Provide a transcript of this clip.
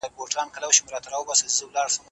پرله پسې کار ذهني توازن خرابوي.